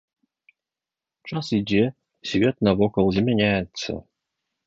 Час ідзе, свет навокал змяняецца.